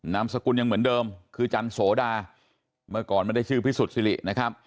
นามสกุลยังเหมือนเดิมคือจันโสดาเมื่อก่อนไม่ได้ชื่อพิสุทธิรินะครับ